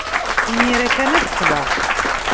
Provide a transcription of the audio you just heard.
Imir-a kan ad d-qqleɣ.